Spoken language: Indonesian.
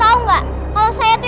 jangan lupa untuk berikan duit